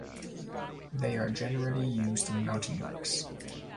They are generally used in mountain bikes.